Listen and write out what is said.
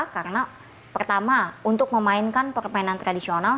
karena pertama untuk memainkan permainan tradisional